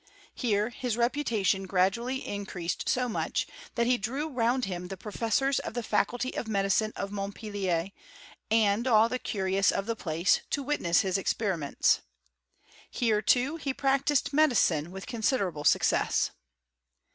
Here his reputation gradually increaaed. so much, that he drew round him the professors of the' faculty of medicine of Montpelier, sind all the curious of the place, to witness his experiments. Here, tooV he practised medicine with considerable success.